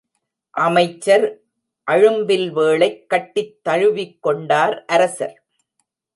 அமைச்சர் அழும்பில்வேளைக் கட்டித் தழுவிக்கொண்டார் அரசர்.